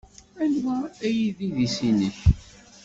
Anwa ay d idis-nnek?